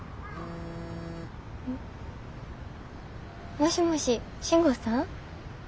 もしもし信吾さん？